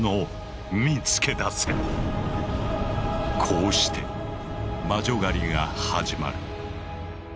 こうして魔女狩りが始まる。